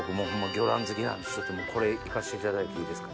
魚卵好きなんでこれいかしていただいていいですか？